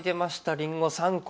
りんご３個。